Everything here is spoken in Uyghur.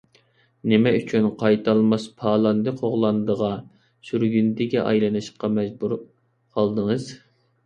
نېمە ئۈچۈن قايتالماس پالاندى - قوغلاندىغا، سۈرگۈندىگە ئايلىنىشقا مەجبۇر قالدىڭىز؟